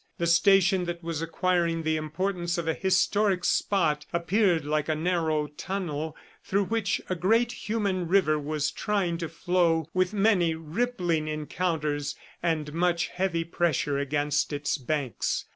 The station that was acquiring the importance of a historic spot appeared like a narrow tunnel through which a great human river was trying to flow with many rippling encounters and much heavy pressure against its banks.